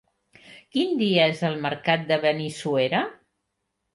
Quin dia és el mercat de Benissuera?